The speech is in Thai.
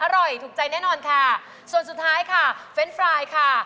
ถูกใจแน่นอนค่ะส่วนสุดท้ายค่ะเฟรนด์ไฟล์ค่ะ